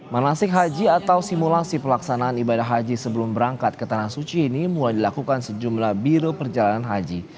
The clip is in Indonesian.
manasik haji atau simulasi pelaksanaan ibadah haji sebelum berangkat ke tanah suci ini mulai dilakukan sejumlah biro perjalanan haji